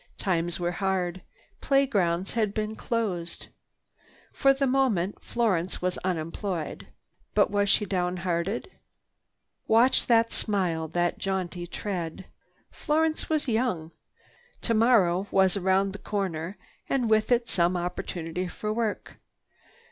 Times were hard. Playgrounds had been closed. For the moment Florence was unemployed. But was she downhearted? Watch that smile, that jaunty tread. Florence was young. Tomorrow was around the corner and with it some opportunity for work.